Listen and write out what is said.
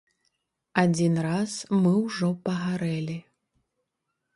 Адзін раз мы ўжо пагарэлі.